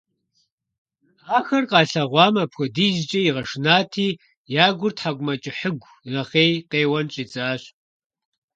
Ахэр къалъэгъуам апхэдизкӀэ игъэшынати, я гур тхьэкӀумэкӀыхьыгу нэхъей, къеуэн щӀидзащ.